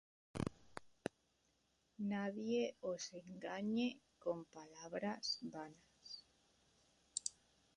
Nadie os engañe con palabras vanas;